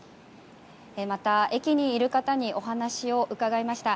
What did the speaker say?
また、駅にいる方にお話を伺いました。